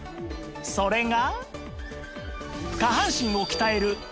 それが